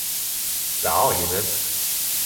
Det har ikkje skjedd.